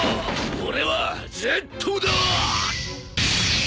俺はＺだ！